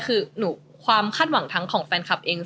คือความคาดหวังทั้งของแฟนคลับเอง